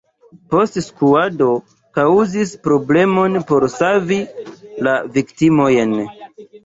Postskuado kaŭzis problemon por savi la viktimojn.